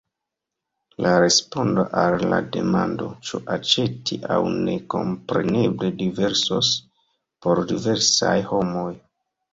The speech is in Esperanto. La respondo al la demando, ĉu aĉeti aŭ ne, kompreneble diversos por diversaj homoj.